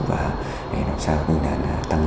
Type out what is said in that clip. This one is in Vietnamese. và làm sao tăng